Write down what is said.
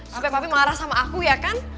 supaya papi marah sama aku ya kan